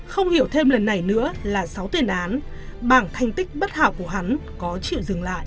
không hiểu thêm lần này nữa là sáu tiền án bảng thành tích bất hảo của hắn có chịu dừng lại